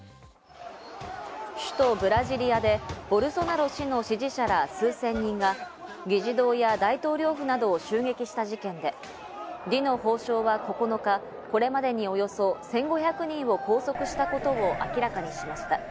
首都ブラジリアでボルソナロ氏の支持者ら数千人が議事堂や大統領府などを襲撃した事件で、ディノ法相は９日、これまでにおよそ１５００人を拘束したことを明らかにしました。